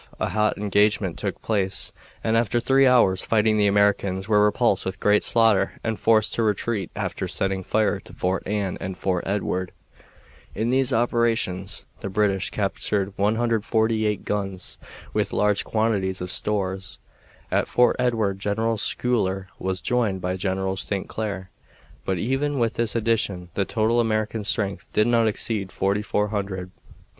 A hot engagement took place, and after three hours' fighting the Americans were repulsed with great slaughter and forced to retreat after setting fire to Fort Anne and Fort Edward. In these operations the British captured 148 guns, with large quantities of stores. At Fort Edward General Schuyler was joined by General St. Clair, but even with this addition the total American strength did not exceed forty four hundred.